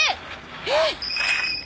えっ！